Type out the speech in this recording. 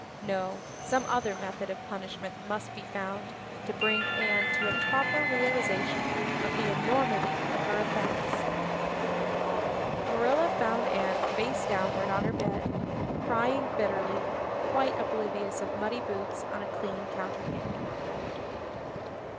No, some other method of punishment must be found to bring Anne to a proper realization of the enormity of her offense. Marilla found Anne face downward on her bed, crying bitterly, quite oblivious of muddy boots on a clean counterpane.